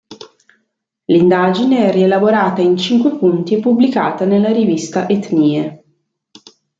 L’indagine è rielaborata in cinque punti e pubblicata nella rivista "Etnie.